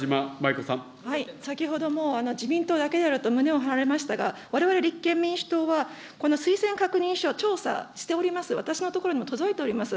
先ほども、自民党だけであると胸を張られましたが、われわれ立憲民主党は、この推薦確認書、調査しております、私のところにも届いております。